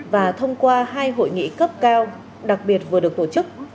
và thông qua hai hội nghị cấp cao đặc biệt vừa được tổ chức